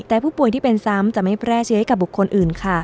แต่ผู้ป่วยที่เป็นซ้ำจะไม่แพร่เชื้อให้กับบุคคลอื่นค่ะ